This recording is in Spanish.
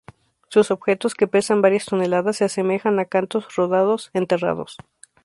Sus objetos, que pesan varias toneladas, se asemejan a cantos rodados enterrados.